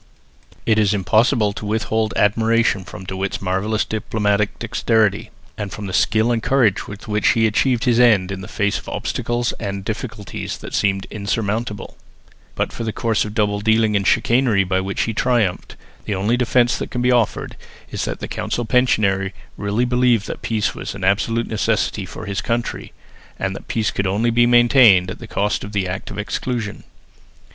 It is impossible to withhold admiration from De Witt's marvellous diplomatic dexterity, and from the skill and courage with which he achieved his end in the face of obstacles and difficulties that seemed insurmountable; but for the course of double dealing and chicanery by which he triumphed, the only defence that can be offered is that the council pensionary really believed that peace was an absolute necessity for his country, and that peace could only be maintained at the cost of the Act of Exclusion.